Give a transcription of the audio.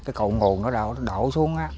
cái cậu nguồn nó đổ xuống á